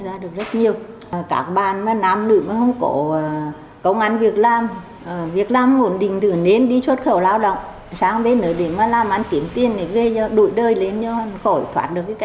sáng bên đó để mà làm ăn kiếm tiền để đổi đời lên cho khỏi thoát được cái cảnh nghèo của mình